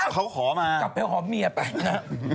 เขาขอมากลับไปหอมเมียไปนะ